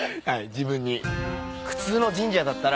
自分に。